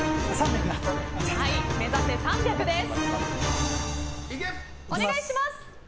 目指せ３００です。